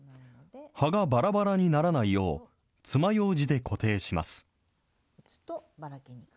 葉がばらばらにならないよう、つまようじで固定します。